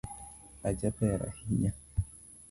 Ajaber ahinya